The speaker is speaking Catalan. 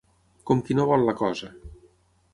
Com qui no vol la cosa.